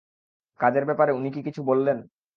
কাজের ব্যাপারে উনি কি কিছু বললেন?